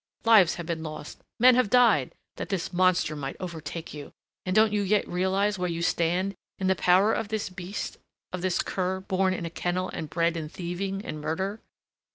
Lives have been lost men have died that this monster might overtake you. And don't you yet realize where you stand in the power of this beast, of this cur born in a kennel and bred in thieving and murder?"